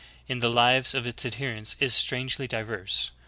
in the lives of its adherents is strangely diverse.